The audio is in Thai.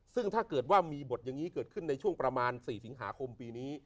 ซึ่งถ้าเกิดว่ามีบทอย่างนี้เกิดขึ้นในช่วงประมาณ๔สิงหาคมปีนี้